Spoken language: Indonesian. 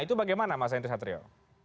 itu bagaimana mas henry satrio